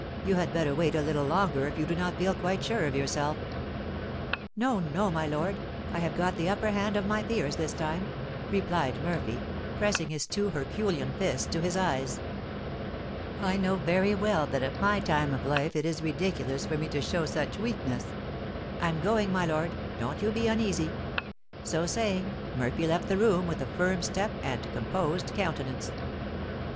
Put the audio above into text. "You had better wait a little longer if you do not feel quite sure of yourself." "No, no, my lord; I have got the upper hand of my fears this time!" replied Murphy, pressing his two herculean fists to his eyes. "I know very well that at my time of life it is ridiculous for me to show such weakness! I'm going, my lord, don't you be uneasy!" So saying, Murphy left the room with a firm step and composed countenance.